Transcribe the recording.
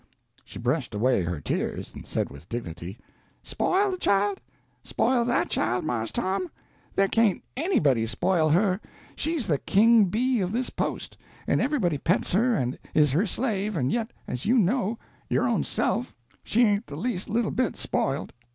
She brushed away her tears, and said with dignity: "Spoil the child? spoil that child, Marse Tom? There can't anybody spoil her. She's the king bee of this post, and everybody pets her and is her slave, and yet, as you know, your own self, she ain't the least little bit spoiled."